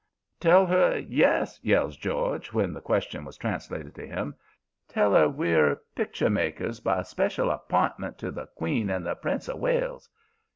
"'Tell 'er yes,' yells George, when the question was translated to him. 'Tell 'er we're picture makers by special app'intment to the Queen and the Prince of Wales.